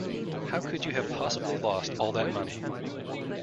How could you have possibly lost all that money?